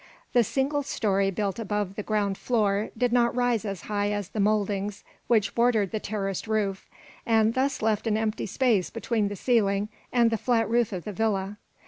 The single story built above the ground floor did not rise as high as the mouldings which bordered the terraced roof, and thus left an empty space between the ceiling and the flat roof of the villa.